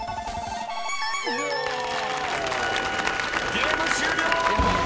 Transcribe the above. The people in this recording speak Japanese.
［ゲーム終了！］